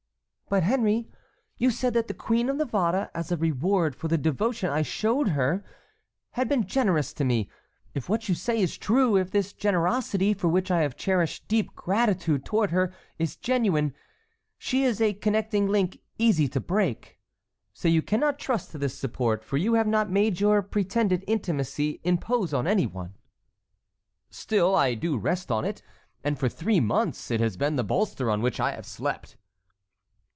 "But, Henry, you said that the Queen of Navarre, as a reward for the devotion I showed her, had been generous to me. If what you say is true, if this generosity, for which I have cherished deep gratitude toward her, is genuine, she is a connecting link easy to break. So you cannot trust to this support, for you have not made your pretended intimacy impose on any one." "Still I do rest on it, and for three months it has been the bolster on which I have slept."